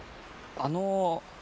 あの。